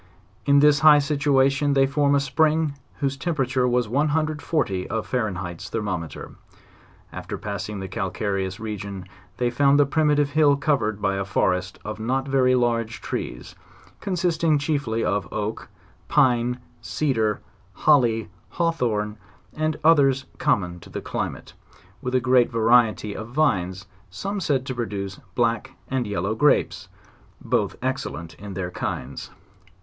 In this high situation they found a spring whose temperature was 140 of Fahrenheit's thermometer* After passing the calcareous region they found the primatrve hill covered by a forest of not very large trees, consisting chiefly of oak, pine, cedar, holly, hawthorn, and others common to the climate, with a great, variety of vines, some said to produce black and yellow grapes, both excellent in their kinds.